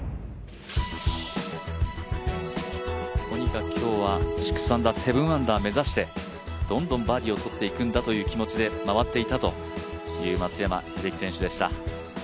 とにかく今日は６アンダー、７アンダーを目指してどんどんバーディーを取っていくんだという気持ちで回っていたという松山英樹選手でした。